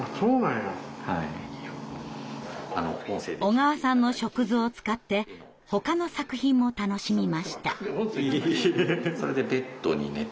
小川さんの触図を使ってほかの作品も楽しみました。